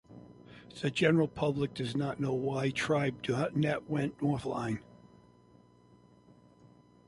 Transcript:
The general public does not know why tribe dot net went offline.